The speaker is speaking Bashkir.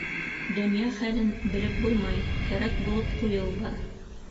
Донъя хәлен белеп булмай, кәрәк булып ҡуйыуы бар.